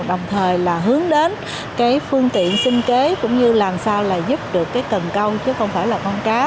đồng thời hướng đến phương tiện sinh kế cũng như làm sao giúp được cần câu chứ không phải là con cá